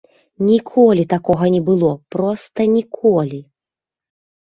Ніколі такога не было, проста ніколі.